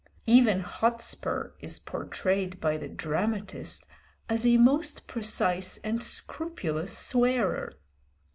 Even Hotspur is portrayed by the dramatist as a most precise and scrupulous swearer.